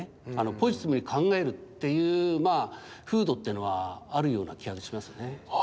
ポジティブに考えるっていう風土っていうのはあるような気がしますね。